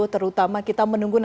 terutama kita menunggu nanti